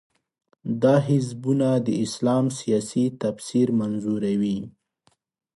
دا حزبونه د اسلام سیاسي تفسیر منظوروي.